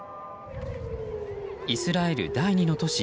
イスラエル第２の都市